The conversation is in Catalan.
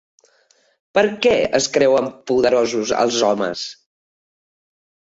Per què es creuen poderosos els homes?